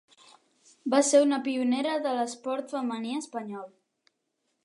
Va ser una pionera de l'esport femení espanyol.